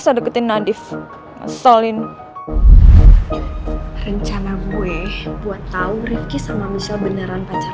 jadi kita harus berhenti berkejar kejar